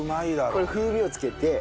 これ風味をつけて。